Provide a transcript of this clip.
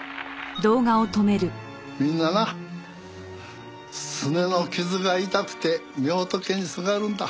みんななすねの傷が痛くて御仏にすがるんだ。